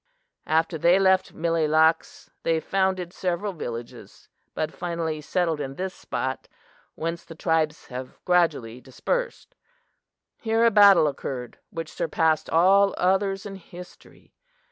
After they left Mille Lacs they founded several villages, but finally settled in this spot, whence the tribes have gradually dispersed. Here a battle occurred which surpassed all others in history.